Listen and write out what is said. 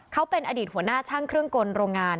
เขาเป็นอดีตหัวหน้าช่างเครื่องกลโรงงาน